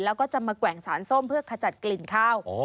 แล้วก็จะมาแกว่งสารส้มเพื่อขจัดกลิ่นข้าว